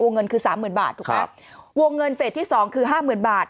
เงินคือสามหมื่นบาทถูกไหมวงเงินเฟสที่สองคือห้าหมื่นบาท